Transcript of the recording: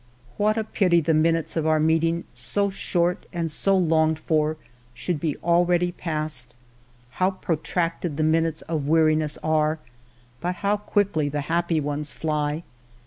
"What a pity the minutes of our meeting, so short and so longed for, should be already past ! How protracted the minutes of weariness are, but how quickly the happy ones fly